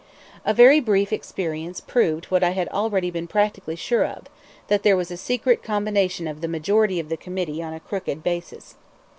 A very brief experience proved what I had already been practically sure of, that there was a secret combination of the majority of the committee on a crooked basis.